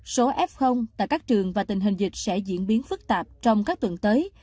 số f tại các trường và tình hình dịch sẽ diễn biến phức tạp trong các tuần tới